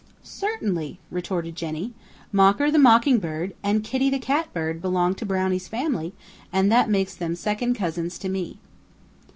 "Certainly," retorted Jenny. "Mocker the Mockingbird and Kitty the Catbird belong to Brownie's family, and that makes them second cousins to me."